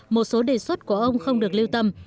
một số đề xuất của ông không được lưu tâm